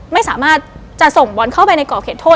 ไม่สามารถจะส่งบอลเข้าไปในก่อเขตโทษ